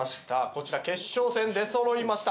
こちら決勝戦出そろいました。